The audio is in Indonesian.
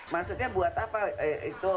maksudnya buat apa itu